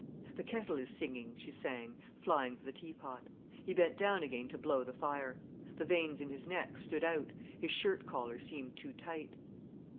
"The kettle is singing," she sang, flying for the teapot. He bent down again to blow the fire. The veins in his neck stood out, his shirt collar seemed too tight.